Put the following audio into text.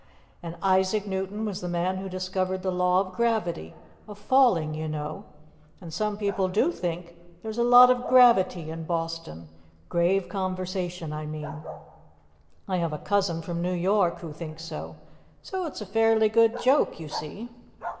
And Isaac Newton was the man who discovered the law of gravity of falling, you know. And some people do think there's a lot of gravity in Boston grave conversation, I mean. I have a cousin from New York who thinks so. So it's a fairly good joke, you see."